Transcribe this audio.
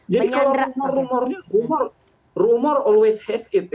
jadi kalau rumor rumornya rumor always has it